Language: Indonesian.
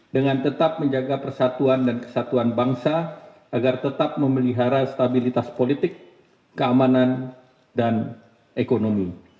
dengan tetap menjaga persatuan dan kesatuan bangsa agar tetap memelihara stabilitas politik keamanan dan ekonomi